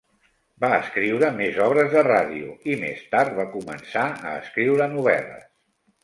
Va escriure més obres de ràdio i, més tard, va començar a escriure novel·les.